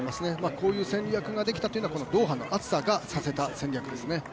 こういう戦略ができたというのは、ドーハの暑さがさせた戦略ですね